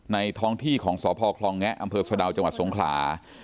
ท้องที่ของสพคลองแงะอำเภอสะดาวจังหวัดสงขลา